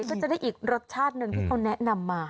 ก็จะได้อีกรสชาติหนึ่งที่เขาแนะนำมา